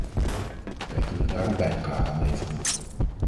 Wij kunnen daar een bijdrage aan leveren.